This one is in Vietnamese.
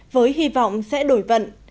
với hy vọng sẽ đổi vận